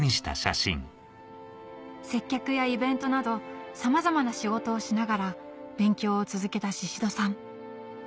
接客やイベントなどさまざまな仕事をしながら勉強を続けた宍戸さん